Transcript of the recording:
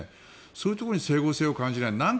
そういうところに整合性を感じない。